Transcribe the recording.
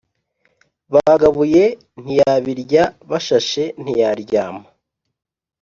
Bagabuye ntiyabiryaBashashe ntiyaryama